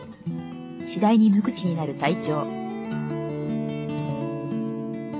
次第に無口になる隊長」。